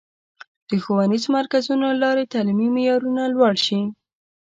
د ښوونیزو مرکزونو له لارې تعلیمي معیارونه لوړ شي.